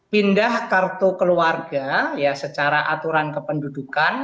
pindah kartu keluarga ya secara aturan kependudukan